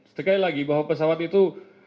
sekali lagi bahwa pesawat itu